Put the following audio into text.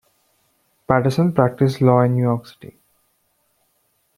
Patterson practiced law in New York City.